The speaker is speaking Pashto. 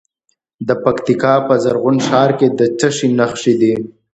د پکتیکا په زرغون شهر کې د څه شي نښې دي؟